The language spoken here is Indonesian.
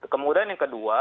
kemudian yang kedua